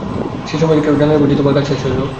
যে সময়ে হউক জানাইলেই বুঝি তোমার কাজ শেষ হইল?